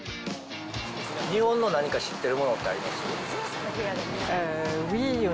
日本の何か知ってるものってあります？